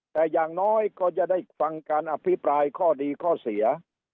แต่อย่างน้อยก็จะได้ฟังการอภิปรายข้อดีข้อเสีย